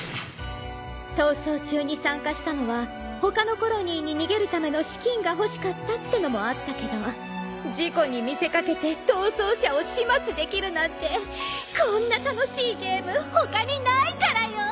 逃走中に参加したのは他のコロニーに逃げるための資金が欲しかったってのもあったけど事故に見せかけて逃走者を始末できるなんてこんな楽しいゲーム他にないからよ！